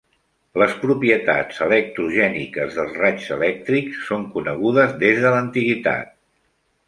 Les propietats electrogèniques dels raigs elèctrics són conegudes des de l'antiguitat.